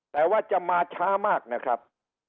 แต่ว่าจะมาช้ามากนะครับ